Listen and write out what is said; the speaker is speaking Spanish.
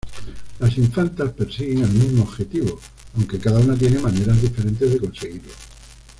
Las infantas persiguen el mismo objetivo, aunque cada una tiene maneras diferentes de conseguirlo.